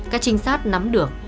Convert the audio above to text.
các trinh sát nắm được